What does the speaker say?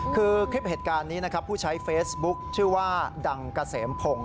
คือคลิปเหตุการณ์นี้นะครับผู้ใช้เฟซบุ๊คชื่อว่าดังเกษมพงศ์